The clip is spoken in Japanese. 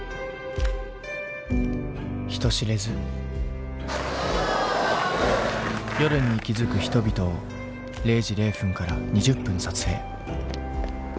人知れず夜に息づく人々を０時０分から２０分撮影。